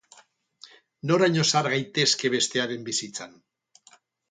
Noraino sar gaitezke bestearen bizitzan?